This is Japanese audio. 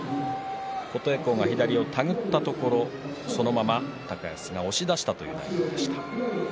琴恵光が左をたぐったところそのまま高安が押し出したという内容でした。